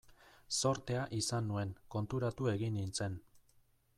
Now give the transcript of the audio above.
Zortea izan nuen, konturatu egin nintzen.